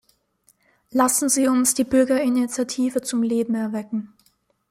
Lassen Sie uns die Bürgerinitiative zum Leben erwecken.